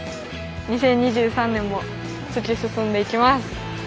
２０２３年も突き進んでいきます！